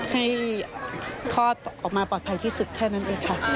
คลอดออกมาปลอดภัยที่สุดแค่นั้นเองค่ะ